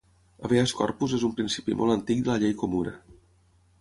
Habeas corpus és un principi molt antic de la llei comuna.